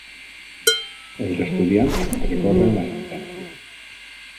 Els estudiants recorren la sentència